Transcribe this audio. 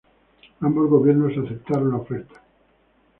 Ambos gobiernos aceptaron la oferta.